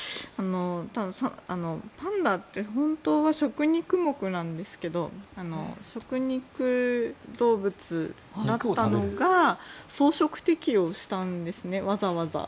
ただ、パンダって本当は食肉目なんですけど食肉動物だったのが草食適応したんですねわざわざ。